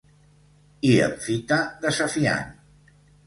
I em fita, desafiant.